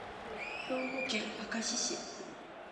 兵庫県明石市